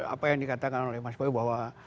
apa yang dikatakan oleh mas bayu bahwa